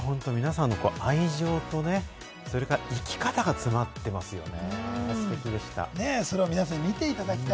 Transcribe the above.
本当、皆さんの愛情とね、それと生き方が詰まってますよね。